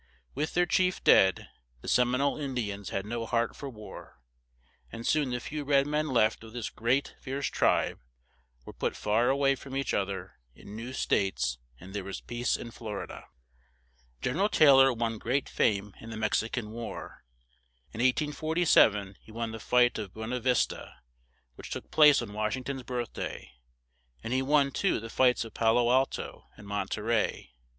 With their chief dead, the Sem i nole In di ans had no heart for war; and soon the few red men left of this great, fierce tribe were put far a way from each oth er, in new states, and there was peace in Flor i da. Gen er al Tay lor won great fame in the Mex i can War; in 1847 he won the fight of Bu e na Vis ta, which took place on Wash ing ton's birth day; and he won too the fights of Pa lo Al to and Mon te rey.